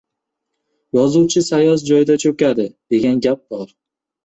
— Yozuvchi sayoz joyda cho‘kadi, degan gap bor.